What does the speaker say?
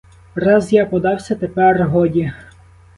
Раз я подався, — тепер годі.